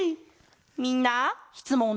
みんなしつもん